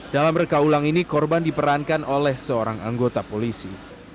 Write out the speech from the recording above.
dalam rekaulang ini korban diperankan oleh seorang anggota polisi